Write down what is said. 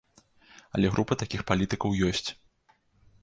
Але група такіх палітыкаў ёсць.